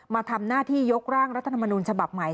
มาทำหน้าที่ยกร่างรัฐธรรมนูญฉบับใหม่